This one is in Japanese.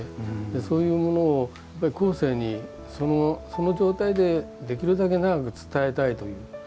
そういうものを後世にその状態でできるだけ長く伝えたい。